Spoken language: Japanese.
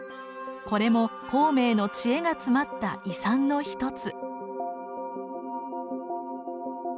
これも孔明の知恵が詰まった遺産の一つ。